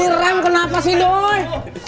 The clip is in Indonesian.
di rem kenapa sih doi